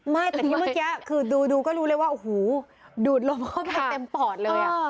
เมื่อกี้เมื่อกี้คือดูก็รู้เลยว่าโอ้โหดูดลมเข้าไปเต็มปอดเลย